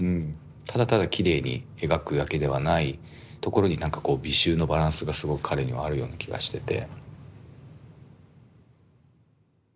ただただきれいに描くだけではないところに何かこう美醜のバランスがすごく彼にはあるような気がしてて。